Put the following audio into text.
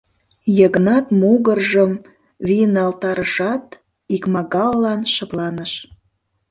Йыгнат могыржым вийналтарышат, икмагаллан шыпланыш.